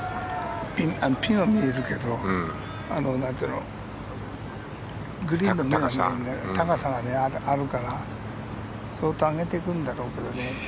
ピンは見えるけどグリーンの高さがあるから相当上げていくんだろうけどね。